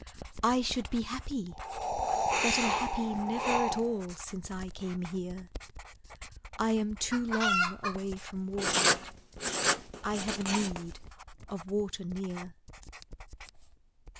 I should be happy, that am happy Never at all since I came here. I am too long away from water. I have a need of water near.